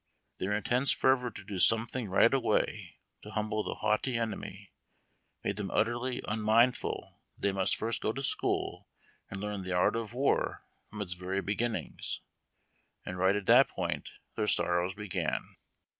Their intense fervor to do something/ right away to humble the haughty enemy, made them utterly unmindful that they must first go to school and learn the art of war from its very begin nings, and right at that point their sorrows began.